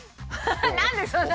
何でそんな。